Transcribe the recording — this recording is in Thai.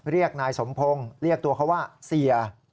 เรียกนายสมพงศ์เรียกตัวเขาว่าเสีย